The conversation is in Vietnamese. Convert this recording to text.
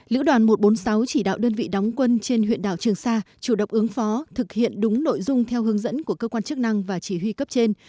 lữ đoàn một trăm bốn mươi sáu chỉ đạo đơn vị đóng quân trên huyện đảo trường sa chủ động ứng phó thực hiện đúng nội dung theo hướng dẫn của cơ quan chức năng và chỉ huy cấp trên